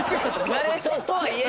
ナレーションとはいえ。